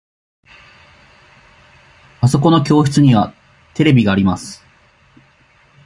あそこの教室にはテレビがあります。